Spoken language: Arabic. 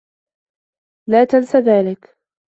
لا تنس ذلك.